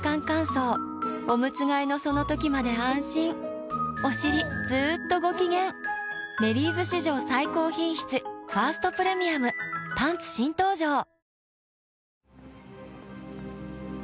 乾燥おむつ替えのその時まで安心おしりずっとご機嫌「メリーズ」史上最高品質「ファーストプレミアム」パンツ新登場！